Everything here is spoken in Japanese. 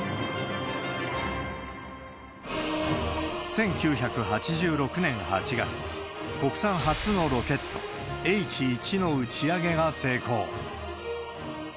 １９８６年８月、国産初のロケット、Ｈ１の打ち上げが成功。